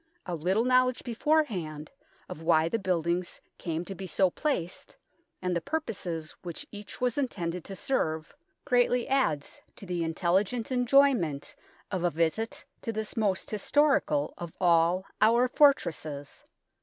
A little knowledge beforehand of why the buildings came to be so placed, and the purposes which each was intended to serve, greatly adds to the intelligent enjoyment of a visit to this most historical of all our for tresses.